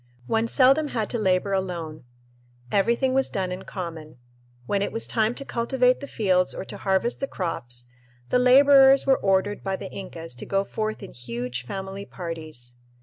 One seldom had to labor alone. Everything was done in common. When it was time to cultivate the fields or to harvest the crops, the laborers were ordered by the Incas to go forth in huge family parties.